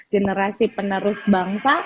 generasi penerus bangsa